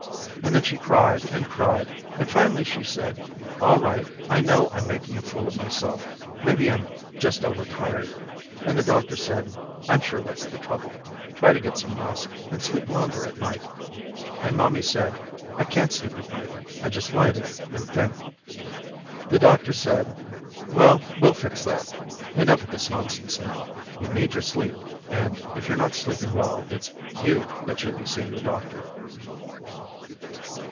And then she cried and cried, and finally she said all right, I know I'm making a fool of myself, maybe I'm just overtired, and the doctor said I'm sure that's the trouble, try to get some rest, and sleep longer at night, and mommy said I can't sleep at night, I just lie there and think. The doctor said well we'll fix that, enough of this nonsense now, you need your sleep and if you're not sleeping well it's you that should be seeing the doctor.